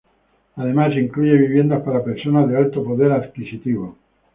Además incluye viviendas para personas de alto poder adquisitivo.